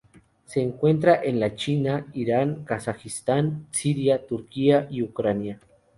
Se encuentra en la China, Irán, Kazajistán, Siria, Turquía y Ucrania.